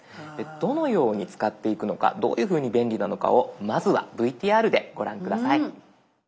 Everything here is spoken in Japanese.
どのように使っていくのかどういうふうに便利なのかをまずはＶＴＲでご覧下さい。